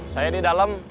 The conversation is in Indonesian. saya di dalam